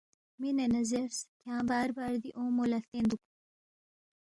مِنے نہ زیرس، کھیانگ بار بار دی اومو لہ ہلتین دُوک